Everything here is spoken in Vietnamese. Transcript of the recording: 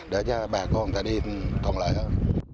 để cho bà con ta đi còn lợi hơn